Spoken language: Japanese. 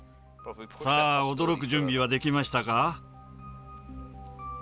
さあ驚く準備はできましたか？